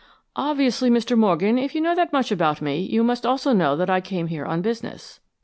"Obviously, Mr. Morgan, if you know that much about me, you must also know that I came here on business."